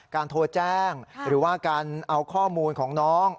โทรแจ้งหรือว่าการเอาข้อมูลของน้อง